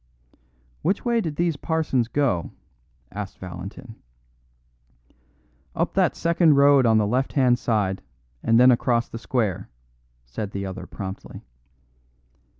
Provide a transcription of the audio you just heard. "Which way did these parsons go?" asked Valentin. "Up that second road on the left hand side, and then across the square," said the other promptly.